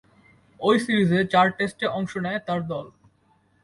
ঐ সিরিজে চার টেস্টে অংশ নেয় তার দল।